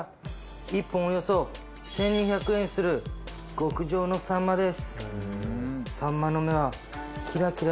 １本およそ１２００円する極上のサンマです。